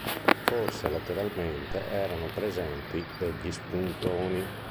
Forse, lateralmente, erano presenti degli spuntoni.